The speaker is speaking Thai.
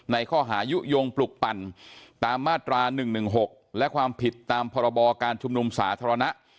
ในข้อหายุโยงปลุกปั่นตามมาตรา๑๑๖และความผิดตามพรบการชุมนุมสาธารณะ